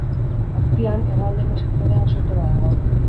Azpian, hegoaldeko sektorean, soto bat dago.